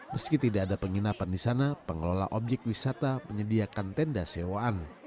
meski tidak ada penginapan di sana pengelola objek wisata menyediakan tenda sewaan